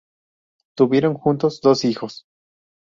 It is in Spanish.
Tuvieron juntos dos hijos.